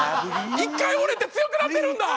１回折れて強くなってるんだ！